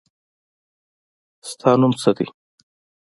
ستا نوم څه دی ؟